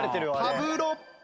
パブロ・ピ。